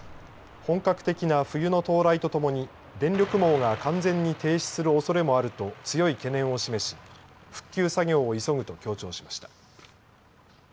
本格的な冬の到来とともに電力網が完全に停止するおそれもあると強い懸念を示し復旧作業を急ぐと強調しました。